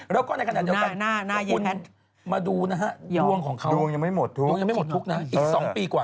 แล้วก็ในขณะเดี๋ยวกันคุณมาดูนะฮะดวงของเขาดวงยังไม่หมดทุกข์นะฮะอีก๒ปีกว่า